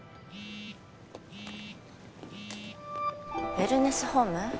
ウェルネスホーム？